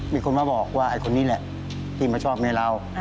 มีคนมาบอกว่าไอ้คนนี้แหละที่มาชอบแม่เรา